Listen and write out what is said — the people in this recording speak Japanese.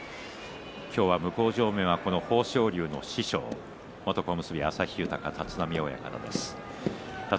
今日、向正面は豊昇龍の師匠元小結旭豊の立浪親方です。